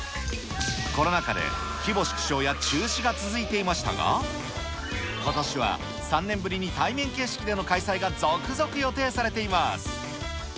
コロナ禍で規模縮小や中止が続いていましたが、ことしは３年ぶりに対面形式での開催が続々予定されています。